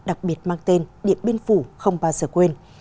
đặc biệt mang tên điện biên phủ không bao giờ quên